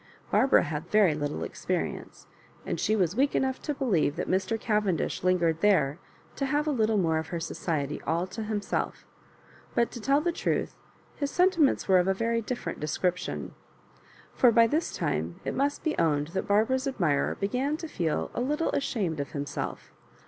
Bari^ara had very little experience, and she was weak enough to believe that Mr. Cavendish lingered there to have a little more of her society all to himself ; but to teU the truth, his sentiments were of a very different description. For by this time it must be'owned that Barbara's admirer began to feel a little ashamed of himself.